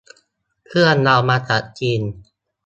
เครื่องเรามาจากจีน